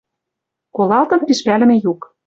Колалтын пиш пӓлӹмӹ юк.